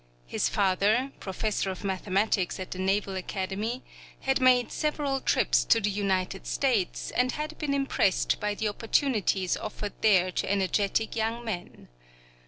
His father, professor of mathematics at the Naval Academy, had made several trips to the United States and had been impressed by the opportunities offered there to energetic young men.